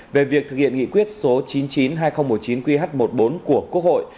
về việc thực hiện nghị quyết số chín trăm chín mươi hai nghìn một mươi chín qh một mươi bốn của quốc hội